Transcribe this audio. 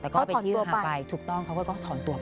เขาถอนตัวไปถูกต้องเขาก็ถอนตัวไป